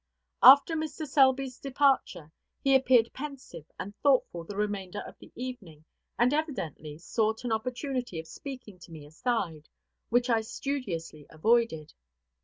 After Mr. Selby's departure, he appeared pensive and thoughtful the remainder of the evening, and evidently sought an opportunity of speaking to me aside, which I studiously avoided.